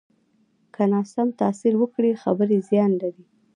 که ناسم تاثر ورکړې، خبره زیان لري